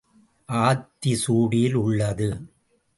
ஆத்தி சூடியில் உள்ளது.